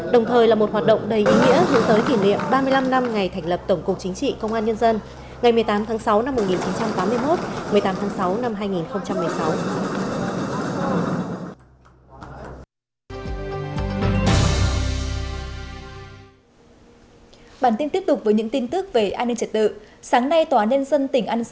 đồng thời là một hoạt động đầy ý nghĩa dưới tới kỷ niệm ba mươi năm năm ngày thành lập tổng cục chính trị công an nhân dân